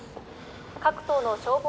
各島の消防。